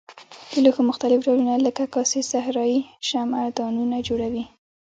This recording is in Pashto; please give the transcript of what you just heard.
د لوښو مختلف ډولونه لکه کاسې صراحي شمعه دانونه جوړوي.